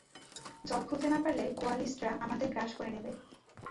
জট খুলতে না পারলে কোয়ালিস্টরা আমাদের গ্রাস করে নেবে।